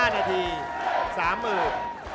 เร็วเร็ว